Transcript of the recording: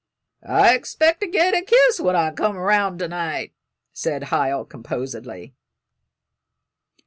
"I 'xpect to get a kiss when I come 'round to night," said Hiel, composedly.